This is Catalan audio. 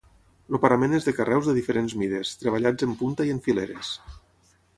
El parament és de carreus de diferents mides, treballats en punta i en fileres.